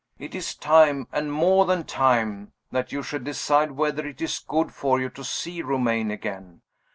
It is time, and more than time, that you should decide whether it is good for you to see Romayne again.